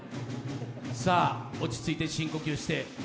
さあ、落ち着いて深呼吸して。